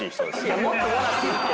いやもっともらっていいって。